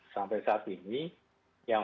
sampai saat ini yang